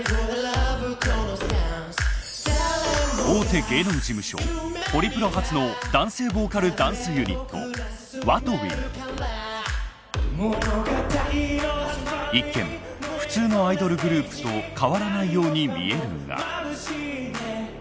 大手芸能事務所ホリプロ初の男性ボーカルダンスユニット一見普通のアイドルグループと変わらないように見えるが。